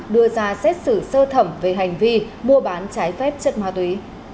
đưa ra xét xử sơ thẩm về hành vi mua bán trái phép chất ma túy